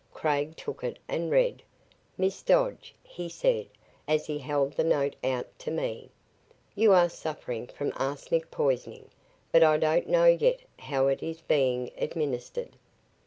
Craig took it and read. "Miss Dodge," he said, as he held the note out to me, "you are suffering from arsenic poisoning but I don't know yet how it is being administered."